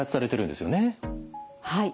はい。